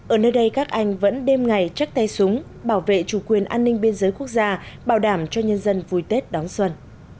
ở nơi đây các anh vẫn đêm ngày chắc tay súng bảo vệ chủ quyền an ninh biên giới quốc gia bảo đảm cho nhân dân vui tết đón xuân